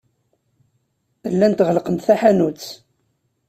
Llant ɣellqent taḥanut.